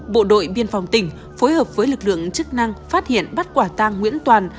bộ đội biên phòng tỉnh phối hợp với lực lượng chức năng phát hiện bắt quả tang nguyễn toàn